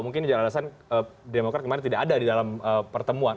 mungkin alasan demokrat kemarin tidak ada di dalam pertemuan